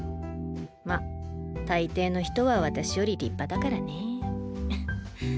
まっ大抵の人は私より立派だからねえ。